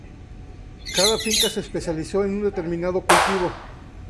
Cada finca se especializó en un determinado cultivo.